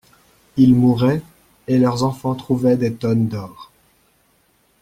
Ils mouraient, et leurs enfants trouvaient des tonnes d'or.